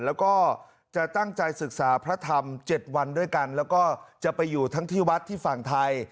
แล้วก็จะตั้งใจศึกษาพระธรรม๗วันด้วยกันแล้วก็จะไปอยู่ทั้งที่วัดที่ฝั่งไทย